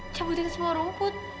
cabutin semua rumput